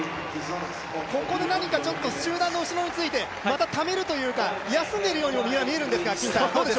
ここで何か、集団の後ろについてためるというか、休んでいるように見えるんですが。